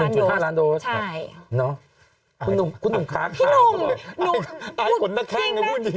หนึ่งจุดห้าล้านโดสใช่เนาะคุณหนุ่มคุณหนุ่มค่ะพี่หนุ่มอายขนนักแข้งในวู้ดิ